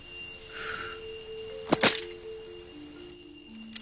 ふう。